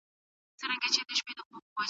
نازيې ته ټول توري په ډېر کم وخت کې زده شول.